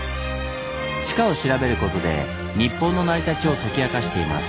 地下を調べることで日本の成り立ちを解き明かしています。